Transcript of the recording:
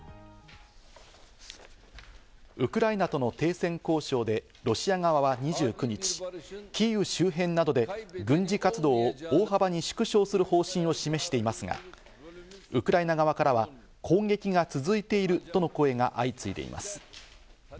ウクライナとの停戦交渉でロシア側は２９日、キーウ周辺などで軍事活動を大幅に縮小する方針を示していますが、ウクライナ側からは攻撃が続いているとの声が相次いでいます。